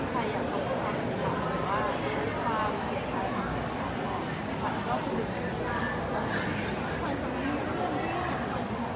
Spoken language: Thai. ความทรงค์